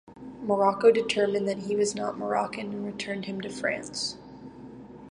Morocco determined that he was not Moroccan and returned him to France.